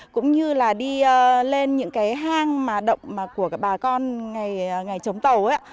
cũng như là đi lên những cái hang mà động của bà con ngày chống tàu ấy